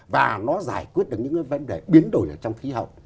và nó giải quyết được những cái vấn đề biến đổi ở trong khí hậu